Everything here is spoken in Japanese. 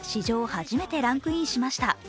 初めてランクインしました。